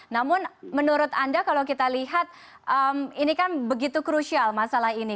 namun menurut anda kalau kita lihat ini kan begitu krusial masalah ini